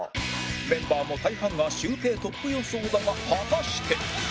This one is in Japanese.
メンバーの大半がシュウペイトップ予想だが果たして